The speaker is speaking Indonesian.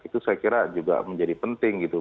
itu saya kira juga menjadi penting gitu